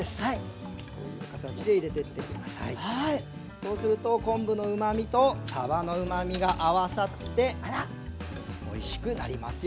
そうすると昆布のうまみとさばのうまみが合わさっておいしくなりますよ。